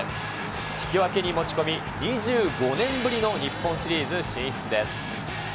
引き分けに持ち込み、２５年ぶりの日本シリーズ進出です。